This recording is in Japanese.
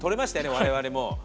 我々も。